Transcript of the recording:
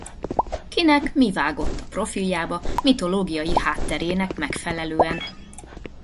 Kinek mi vágott a profiljába mitológiai hátterének megfelelően.